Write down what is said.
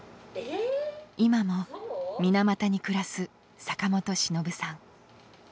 今も水俣に暮らす坂本しのぶさん。